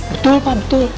betul pak betul